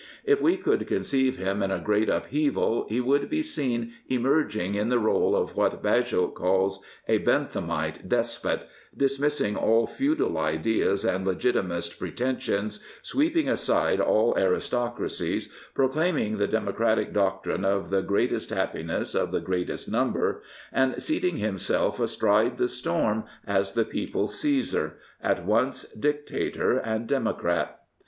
If we could conceive him in a great upheaval, he would be seen emerging in the r 61 e of what Bagehot calls " a Benthamite despot," dismissing all feudal ideas and legitimist pretensions, sweeping aside ail aristocracies, proclaiming the democratic doctrine of the " greatest happiness of the greatest number " and seating himself astride the storm as the people's Caesar — at once dictator and democrat.